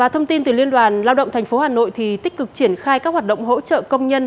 thông tin từ liên đoàn lao động tp hà nội tích cực triển khai các hoạt động hỗ trợ công nhân